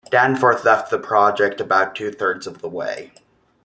Danforth left the project about two-thirds of the way.